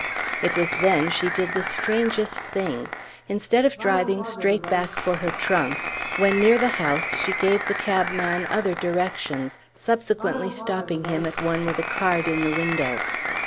It was then she did the strangest thing; instead of driving straight back for her trunk, when near the house she gave the cabman other directions, subsequently stopping him at one with a card in the window.